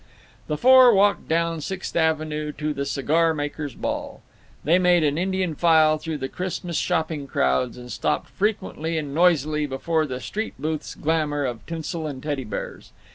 The four walked down Sixth Avenue to the Cigar Makers' Ball. They made an Indian file through the Christmas shopping crowds, and stopped frequently and noisily before the street booths' glamour of tinsel and teddy bears.